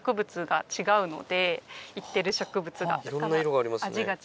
行ってる植物がだから。